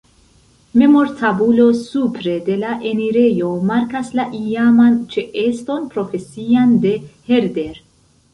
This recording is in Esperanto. Memortabulo supre de la enirejo markas la iaman ĉeeston profesian de Herder.